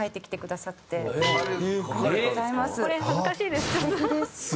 これ恥ずかしいです。